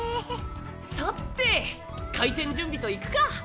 さって開店準備といくか。